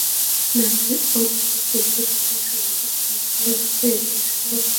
নাকি ওঁৎ পেতে থাকার সংবাদ ফাঁস হয়ে গেছে এই প্রশ্ন তাকে বেকারার করে তোলে।